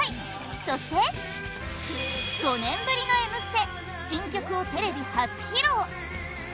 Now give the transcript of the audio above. そして５年ぶりの「Ｍステ」新曲をテレビ初披露！